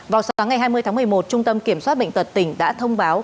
vào sáng ngày hai mươi tháng một mươi một trung tâm kiểm soát bệnh tật tỉnh đã thông báo